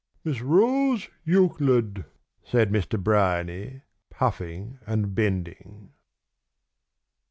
"Miss Rose Euclid," said Mr. Bryany, puffing and bending.